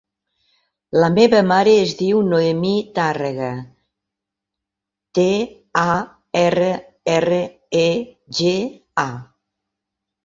La meva mare es diu Noemí Tarrega: te, a, erra, erra, e, ge, a.